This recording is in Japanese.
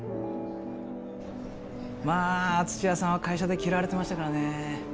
まあ土屋さんは会社で嫌われてましたからねえ。